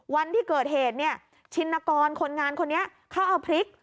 วันที่เกิดเหตุเนี่ยชินกรคนงานคนนี้เขาเอาพริก